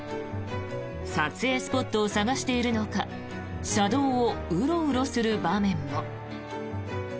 撮影スポットを探しているのか車道をうろうろする場面も。